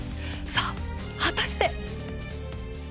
さあ、果たして。